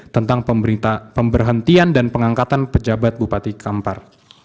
tentang pemberhentian dan pengangkatan pejabat bupati kampar